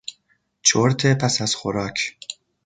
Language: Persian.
چرت پس از خوراک